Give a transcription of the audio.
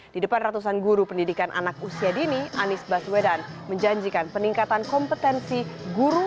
di depan ratusan guru pendidikan anak usia dini anies baswedan menjanjikan peningkatan kompetensi guru